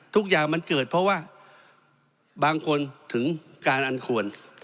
ทุกอย่างมันเกิดเพราะว่าบางคนถึงการอันควร